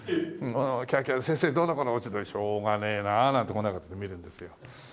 「キャーキャー」「先生どうのこうの」「しょうがねえなあ」なんてこんな感じで見るんですよ。